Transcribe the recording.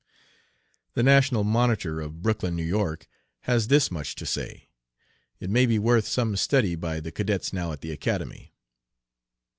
The National Monitor, of Brooklyn (N. Y.), has this much to say. It may be worth some study by the cadets now at the Academy.